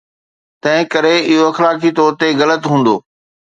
تنهنڪري اهو اخلاقي طور تي غلط هوندو.